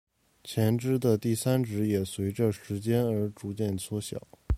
前肢的第三指也随者时间而逐渐缩小。